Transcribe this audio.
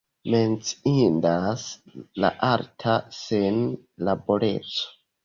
Menciindas la alta senlaboreco.